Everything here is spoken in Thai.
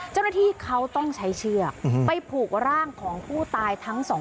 เจ้าหน้าที่เขาต้องใช้เชือกไปผูกร่างของผู้ตายทั้งสองคน